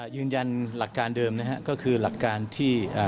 ยืนยันหลักการเดิมนะฮะก็คือหลักการที่